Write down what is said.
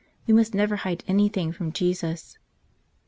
We must never hide anything from Jesus